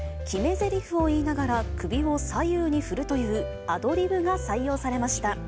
決めぜりふを言いながら、首を左右に振るというアドリブが採用されました。